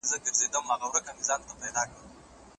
خو پر تا د جنتونو ارزاني وي